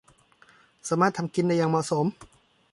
สามารถทำกินได้อย่างเหมาะสม